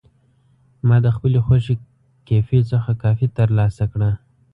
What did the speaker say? ما د خپلې خوښې کیفې څخه کافي ترلاسه کړه.